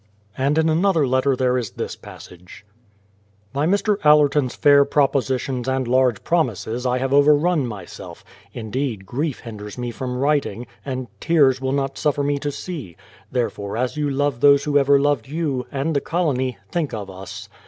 ... And in another letter there is this passage: By Mr. Allerton's fair propositions and large promises I have overrun myself; indeed grief hinders me from writing, and tears will not suffer me to see; therefore as you love those who ever loved you, and the colony, think of us.